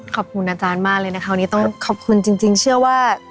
ขอบคุณอาจารย์มากเลยนะคะวันนี้ต้องขอบคุณจริงเชื่อว่า